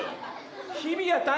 日比谷平。